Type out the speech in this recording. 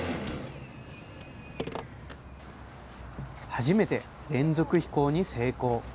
初めて連続飛行に成功。